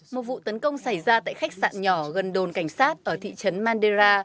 một vụ tấn công xảy ra tại khách sạn nhỏ gần đồn cảnh sát ở thị trấn mandera